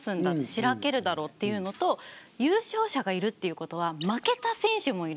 しらけるだろ」っていうのと「優勝者がいるっていうことは負けた選手もいるんだ。